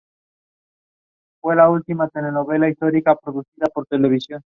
La sede de condado es Jim Thorpe.